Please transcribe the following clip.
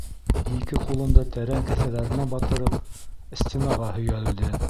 Ике ҡулын да тәрән кеҫәләренә батырып, стенаға һөйәлде.